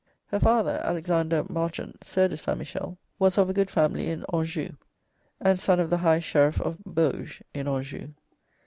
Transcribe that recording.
Her father, Alexander Marchant, Sieur de St. Michel, was of a good family in Anjou, and son of the High Sheriff of Bauge (in Anjou).